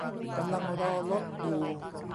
กำลังรอรถอยู่